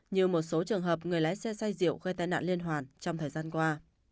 như một số trường hợp người lái xe xay rượu gây tai nạn liên hoàn trong thời gian qua